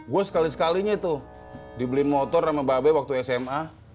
gue sekali sekalinya tuh dibeli motor sama mbak abe waktu sma